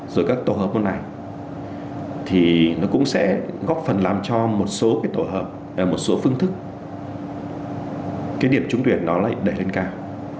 rồi các tổ hợp môn này thì nó cũng sẽ góp phần làm cho một số phương thức cái điểm chuẩn tuyển nó lại đẩy lên cao